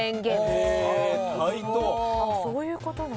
そういうことなんだ